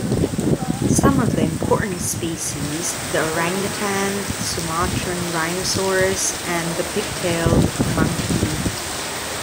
Some of the important species: the orangutan, Sumatran rhinoceros, and the pigtailed monkey.